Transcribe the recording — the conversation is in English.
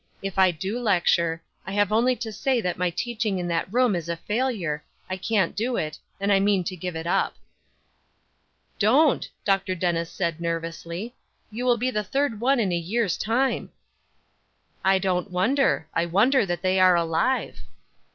If I do lecture, I have only to say that my teaching in that room is a failure, I can't do it, and I mean to give it up." "Don't," Dr. Dennis said, nervously. "You will be the third one in a year's time." "I don't wonder. I wonder that they are alive."